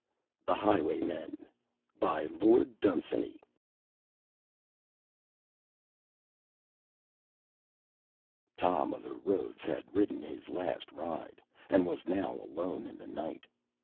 The Highwaymen Tom o' the Roads had ridden his last ride, and was now alone in the night.